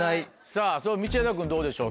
さぁ道枝君どうでしょう？